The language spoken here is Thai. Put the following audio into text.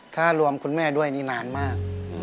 ถ้ารวมคุณแม่ด้วยนี่นานมาก